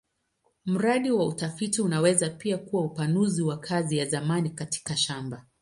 Mradi wa utafiti unaweza pia kuwa upanuzi wa kazi ya zamani katika shamba.